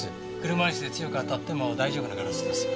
車椅子で強く当たっても大丈夫なガラスです。